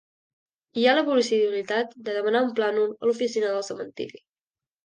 Hi ha la possibilitat de demanar un plànol a l'oficina del cementiri.